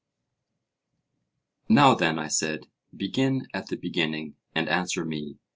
Now then, I said, begin at the beginning and answer me.